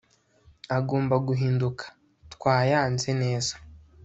agomba guhinduka twayanze neza